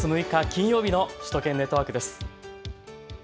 金曜日の首都圏ネットワークです。